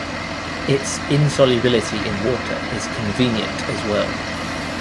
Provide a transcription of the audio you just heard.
Its insolubility in water is convenient as well.